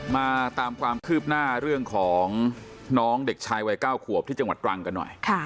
มาตามความคืบหน้าเรื่องของน้องเด็กชายวัย๙ขวบที่จังหวัดตรังกันหน่อย